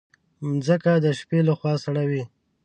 مځکه د شپې له خوا سړه وي.